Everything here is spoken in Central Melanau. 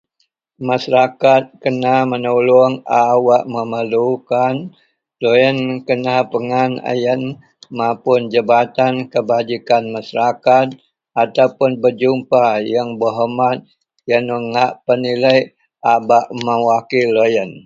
Masarakat kena menuluong wak a memelukan, deloyen kena pengan a yen mapun Jabatan Kebajikan Masyarakat ataupun bejupa Yang Berhormat yen a ngak peniliek bak mewakil loyen.